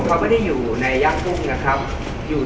เพราะสิ่งที่เกิดขึ้นในควบคุม